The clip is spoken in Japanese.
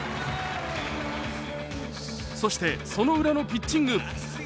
そしてそのウラのピッチング。